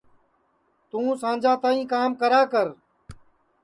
توں سانجا تائی کام کرا کر